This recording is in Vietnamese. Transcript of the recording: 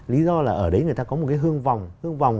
lý do là ở đấy người ta có một cái hương vòng